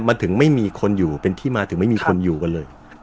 มันถึงไม่มีคนอยู่เป็นที่มาถึงไม่มีคนอยู่กันเลย